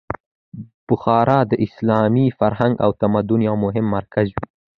بخارا د اسلامي فرهنګ او تمدن یو مهم مرکز و.